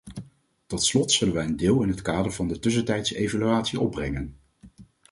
Tot slot zullen wij een deel in het kader van de tussentijdse evaluatie opbrengen.